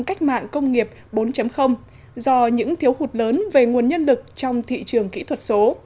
cách mạng công nghiệp bốn do những thiếu hụt lớn về nguồn nhân lực trong thị trường kỹ thuật số